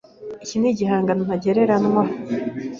Iki ni igihangano ntagereranywa.